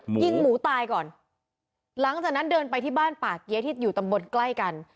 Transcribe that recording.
ยิงหมูตายก่อนหลังจากนั้นเดินไปที่บ้านป่าเกี้ยที่อยู่ตำบลใกล้กัน